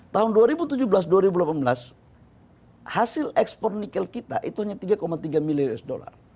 tahun dua ribu tujuh belas dua ribu delapan belas hasil ekspor nikel kita itu hanya tiga tiga miliar usd